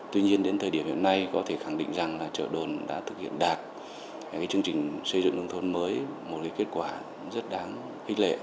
tuy nhiên đến thời điểm hiện nay có thể khẳng định rằng là chợ đồn đã thực hiện đạt cái chương trình xây dựng nông thôn mới một cái kết quả rất đáng khích lệ